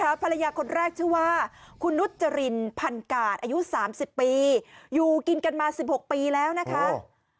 ภรรยาคนแรกชื่อว่าคุณนุจรินพันกาศอายุสามสิบปีอยู่กินกันมาสิบหกปีแล้วนะคะ